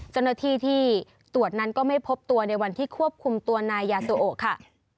เจ้าหน้าที่ที่ตรวจนั้นก็ไม่พบตัวในวันที่ควบคุมตัวนายยาโซโอค่ะ